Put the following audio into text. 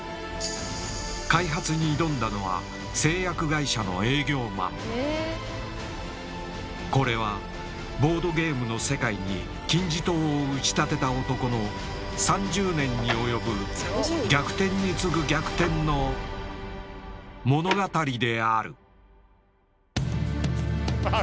開発に挑んだのはこれはボードゲームの世界に金字塔を打ち立てた男の３０年に及ぶ「逆転に次ぐ逆転の物語」であるあ